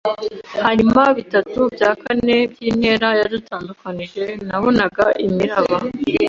hanyuma bitatu bya kane byintera yadutandukanije. Nabonaga imiraba